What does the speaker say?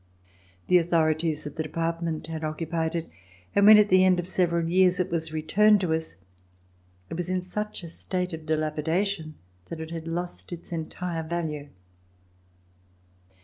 The authorities of the Department had occupied it and when at the end of several years it was returned to us, it was in such a state of dilapidation that it had lost its entire value.